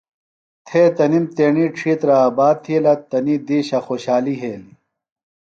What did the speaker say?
تھے تنِم تیݨی ڇِھیترہ آباد تِھیلہ۔ تنی دِیشہ خوشحالیۡ یھیلیۡ۔